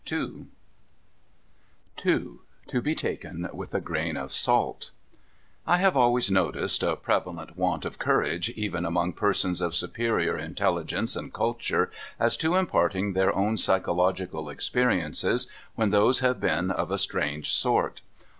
'] II TO BE TAKEN WITH A GRAIN OF SALT I HAVE always noticed a prevalent want of courage, even among I)ersons of superior intelligence and culture, as to imparting their own psychological experiences when those have been of a strange sort.